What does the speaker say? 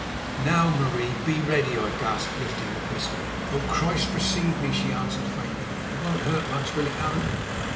"Now, Marie, be ready," I gasped, lifting the pistol. "Oh, Christ receive me!" she answered faintly. "It won't hurt much, will it, Allan?"